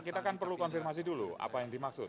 kita kan perlu konfirmasi dulu apa yang dimaksud